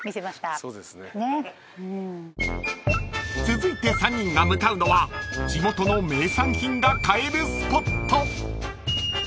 ［続いて３人が向かうのは地元の名産品が買えるスポット］